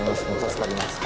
助かります。